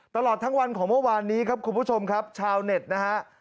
ตลอดทั้งวันของเมื่อวานนี้ครับคุณผู้ชมครับชาวเน็ตนะฮะ